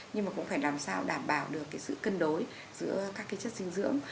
nhưng mà cũng phải làm sao đảm bảo được cái sự cân đối giữa các cái chất dinh dưỡng